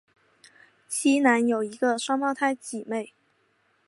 基南有一个双胞胎姊妹。